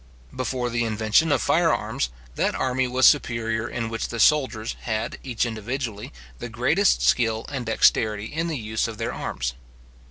Before the invention of fire arms, that army was superior in which the soldiers had, each individually, the greatest skill and dexterity in the use of their arms.